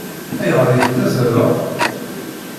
Ayɣer i tettazzaleḍ?